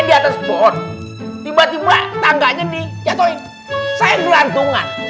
di atas pohon tiba tiba tangganya di jatuhin saya gelandungan